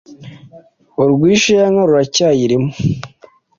urwishe ya nka ruracyayirimo